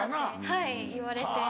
はいいわれて。